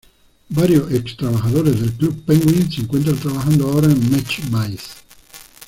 Varios ex-trabajadores de Club Penguin se encuentran trabajando ahora en Mech Mice.